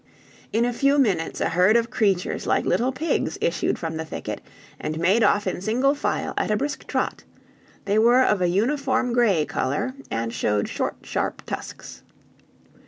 In a few minutes a herd of creatures like little pigs issued from the thicket, and made off in single file at a brisk trot; they were of a uniform gray color, and showed short sharp tusks.